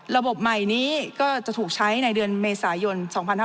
ระบบใหม่นี้ก็จะถูกใช้ในเดือนเมษายน๒๕๕๙